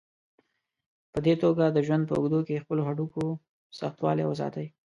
په دې توګه د ژوند په اوږدو کې خپلو هډوکو سختوالی وساتئ.